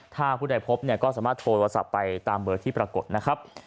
ถ้าผู้ใดพบเนี่ยก็สามารถโทรศัพท์ไปตามเบอร์ที่ปรากฏนะครับ